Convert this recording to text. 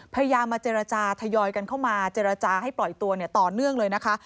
พยายามมาเจรจาทยอยกันเข้ามาเจรจาให้ปล่อยตัวต่อเนื่องเลยนะคะ